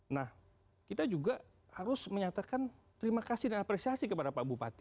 nah kita juga harus menyatakan terima kasih dan apresiasi kepada pak bupati